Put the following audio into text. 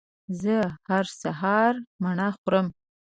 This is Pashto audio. زه هر سهار مڼه خورم